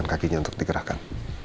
kekinian untuk digerakkan